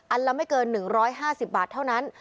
ละไม่เกิน๑๕๐บาทเท่านั้น